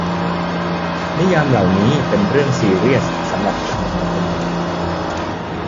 นิยามเหล่านี้เป็นเรื่องซีเรียส สำหรับผมอย่างน้อยคนหนึ่ง